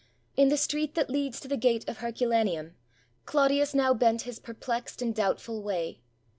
In the street that leads to the gate of Herculaneum, Clodius now bent his perplexed and doubtful way.